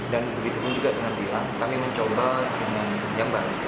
dan begitu pun juga dengan bilang kami mencoba dengan yang baru